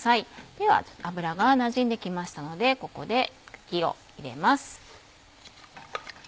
では油がなじんできましたのでここで茎を入れます。